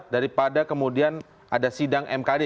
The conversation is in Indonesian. daripada kemudian ada sidang mkd